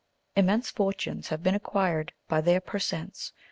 Immense fortunes have been acquired by the per cents.